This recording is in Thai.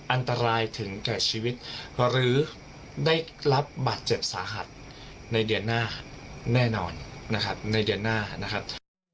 อันตรายถึงแก่ชีวิตหรือได้รับบาตรเจ็บสาหัสในเดือนหน้าแน่นอนนะครับ